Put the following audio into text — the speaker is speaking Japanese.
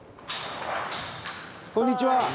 こんにちは！